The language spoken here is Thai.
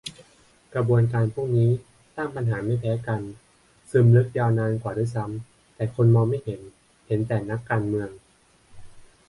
กระบวนการพวกนี้ สร้างปัญหาไม่แพ้กัน ซึมลึกยาวนานกว่าด้วยซ้ำ แต่คนมองไม่เห็น เห็นแต่ "นักการเมือง"